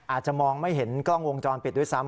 อาจจะมองไม่เห็นกล้องวงจรปิดด้วยซ้ำ